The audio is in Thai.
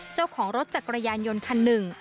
เจ้าของรถจักรยานยนต์คันหนึ่ง